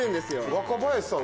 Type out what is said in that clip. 若林さん